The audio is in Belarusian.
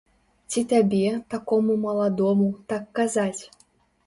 Ці табе, такому маладому, так казаць!